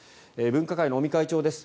分科会の尾身会長です。